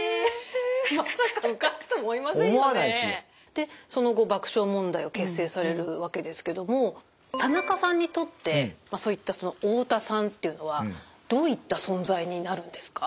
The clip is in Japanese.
でその後爆笑問題を結成されるわけですけども田中さんにとってその太田さんっていうのはどういった存在になるんですか？